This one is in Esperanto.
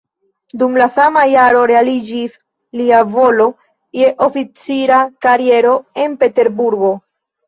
Dum la sama jaro realiĝis lia volo je oficira kariero en Peterburgo.